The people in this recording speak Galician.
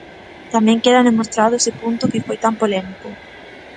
Tamén queda demostrado ese punto que foi tan polémico.